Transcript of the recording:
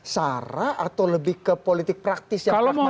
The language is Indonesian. sarah atau lebih ke politik praktis